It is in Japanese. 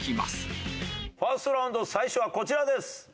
ファーストラウンド最初はこちらです。